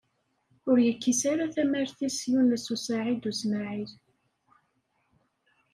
Ur yekkis ara tamart-is Yunes u Saɛid u Smaɛil.